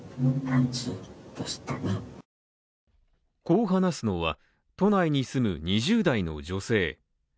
こう話すのは、都内に住む２０代の女性。